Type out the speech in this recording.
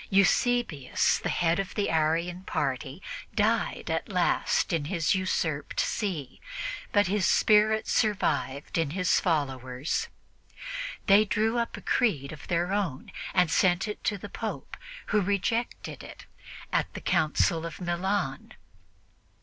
Eusebius, the head of the Arian party, died at last in his usurped see, but his spirit survived in his followers. They drew up a creed of their own and sent it to the Pope, who rejected it at the Council of Milan.